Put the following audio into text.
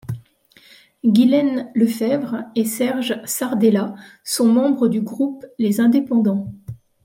Guylaine Lefebvre et Serge Sardella sont membres du groupe Les Indépendants.